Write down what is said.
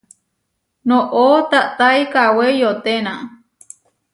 Noʼó tatái kawé iyoténa.